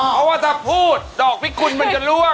เพราะว่าถ้าพูดดอกพิกุลมันจะล่วง